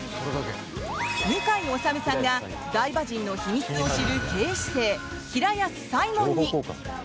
向井理さんが台場陣の秘密を知る警視正、平安才門に。